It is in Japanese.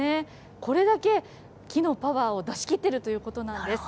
これだけ木のパワーを出しきっているということなんです。